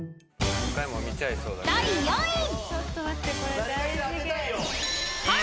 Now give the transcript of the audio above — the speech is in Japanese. ［第４位］